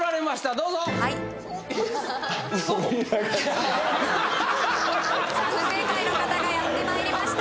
どうぞはいえっウソ？さあ不正解の方がやってまいりました